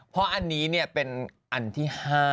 เพราะอันนี้เป็นอันที่๕